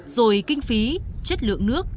rồi kinh phí chất lượng nước